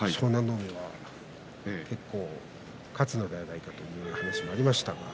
海結構勝つのではないかという話もありました。